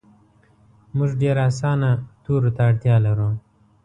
مونږ ډیر اسانه تورو ته اړتیا لرو